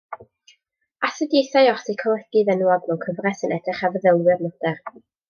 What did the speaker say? Astudiaethau o'r seicolegydd enwog, mewn cyfres sy'n edrych ar feddylwyr modern.